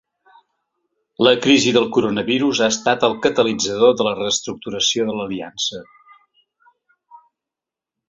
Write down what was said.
La crisi del coronavirus ha estat el catalitzador de la reestructuració de l’aliança.